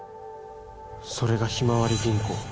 それがひまわり銀行